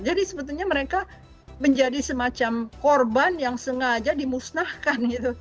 jadi sebetulnya mereka menjadi semacam korban yang sengaja dimusnahkan